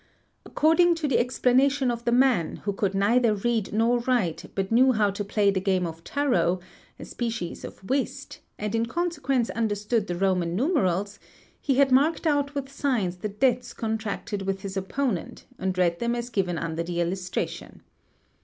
Accord i ing to the explanation of the man, who could neither read nor write but ' knew how to play the game of tarot, a species of whist, and in conse _ quence understood the Roman numerals, he had marked out with signs rq the debts contracted with his opponent and read them as given under the illustration.